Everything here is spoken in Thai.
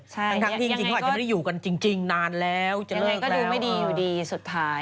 ทั้งที่จริงเขาอาจจะไม่ได้อยู่กันจริงนานแล้วจะเหนื่อยก็ดูไม่ดีอยู่ดีสุดท้าย